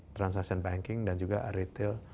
transaction banking dan juga retail